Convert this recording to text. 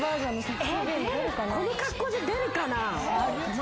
この格好で出るかな？